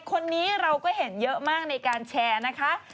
คนนี้เราก็เห็นเยอะมากในการแชร์นะคะ